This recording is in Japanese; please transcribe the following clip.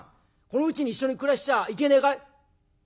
このうちに一緒に暮らしちゃいけねえかい？」。